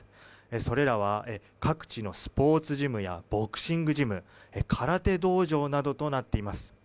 それらは各地のスポーツジムやボクシングジム空手道場などとなっています。